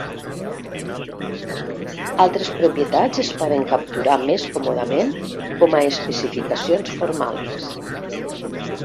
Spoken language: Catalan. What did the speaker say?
Altres propietats es poden capturar més còmodament com a especificacions formals.